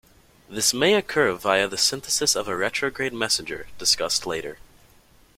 This may occur via the synthesis of a retrograde messenger, discussed later.